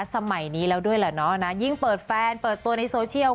สมัยนี้แล้วด้วยแหละเนาะนะยิ่งเปิดแฟนเปิดตัวในโซเชียล